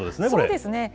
そうですね。